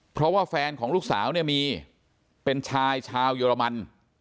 เพราะว่าแฟนของลูกสาวเนี่ยมีเป็นชายชาวเยอรมัน